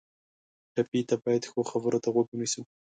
ټپي ته باید ښو خبرو ته غوږ ونیسو.